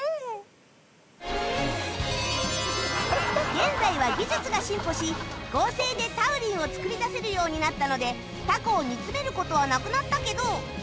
現在は技術が進歩し合成でタウリンを作り出せるようになったのでタコを煮詰める事はなくなったけど